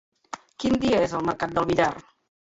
Quin dia és el mercat del Villar?